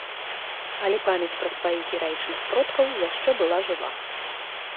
Але памяць пра сваіх гераічных продкаў яшчэ была жыва.